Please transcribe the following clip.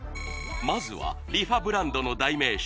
まずはリファブランドの代名詞